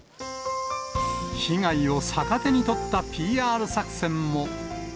被害を逆手に取ったＰＲ作戦も。